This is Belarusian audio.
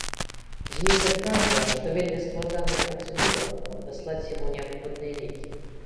Зміцер кажа, што вельмі складаная працэдура, каб даслаць яму неабходныя лекі.